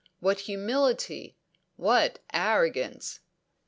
What humility! What arrogance!